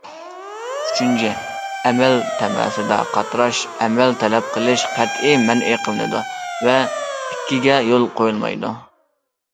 ئۈچىنچى، ئەمەل تەمەسىدە قاتراش، ئەمەل تەلەپ قىلىش قەتئىي مەنئى قىلىنىدۇ ۋە ئىككىگە يول قويۇلمايدۇ.